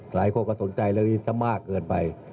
หลายคนก็สนใจเรื่องนี้ถ้ามากเกินไป